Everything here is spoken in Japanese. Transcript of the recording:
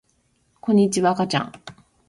こんにちはあかちゃん